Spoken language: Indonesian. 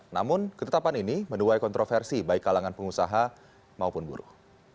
namun ketetapan ini menuai kontroversi baik kalangan pengusaha maupun buruh